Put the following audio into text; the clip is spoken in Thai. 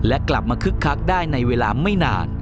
และกลับมาคึกคักได้ในเวลาไม่นาน